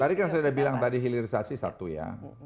tadi kan sudah bilang tadi hilirisasi satu ya